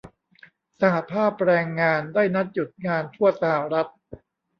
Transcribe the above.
สหภาพแรงงานได้นัดหยุดงานทั่วสหรัฐ